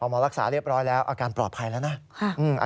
หมอรักษาเรียบร้อยแล้วอาการปลอดภัยแล้วนะ